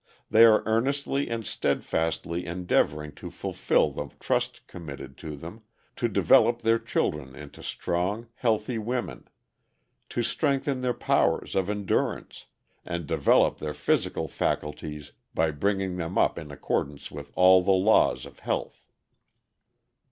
They are earnestly and steadfastly endeavoring to fulfill the trust committed to them, to develop their children into strong healthy women, to strengthen their powers of endurance, and develop their physical faculties by bringing them up in accordance with all the laws of health."